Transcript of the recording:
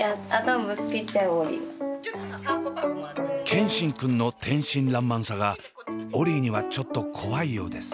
健新くんの天真爛漫さがオリィにはちょっと怖いようです。